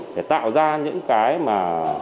để tạo ra những cái mà